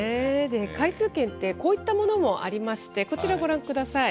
回数券って、こういったものもありまして、こちらご覧ください。